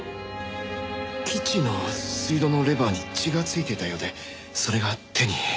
キッチンの水道のレバーに血がついていたようでそれが手に。